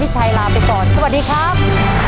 สวัสดีครับ